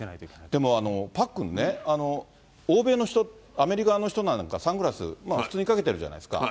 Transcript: でも、パックンね、欧米の人、アメリカの人なんかサングラス、普通にかけてるじゃないですか。